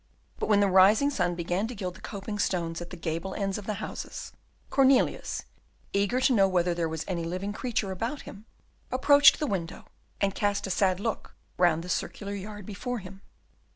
But when the rising sun began to gild the coping stones at the gable ends of the houses, Cornelius, eager to know whether there was any living creature about him, approached the window, and cast a sad look round the circular yard before him.